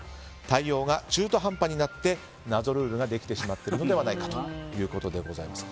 対応が中途半端になって謎ルールができてしまっているのではということです。